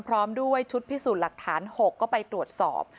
พร้อมด้วยชุดพิสูจน์หลักฐาน๖ก็ไปตรวจสอบ